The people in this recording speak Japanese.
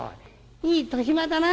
「いい年増だな」。